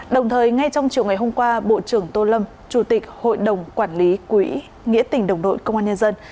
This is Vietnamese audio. đồng thời ngay trong chiều ngày hôm qua bộ trưởng tô lâm chủ tịch hội đồng quản lý quỹ nghĩa tỉnh đồng đội công an nhân dân